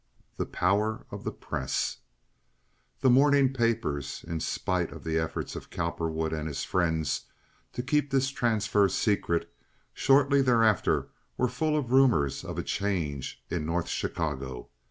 The Power of the Press The morning papers, in spite of the efforts of Cowperwood and his friends to keep this transfer secret, shortly thereafter were full of rumors of a change in "North Chicago."